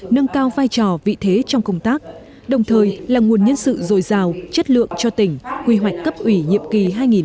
nâng cao vai trò vị thế trong công tác đồng thời là nguồn nhân sự dồi dào chất lượng cho tỉnh quy hoạch cấp ủy nhiệm kỳ hai nghìn hai mươi một hai nghìn hai mươi năm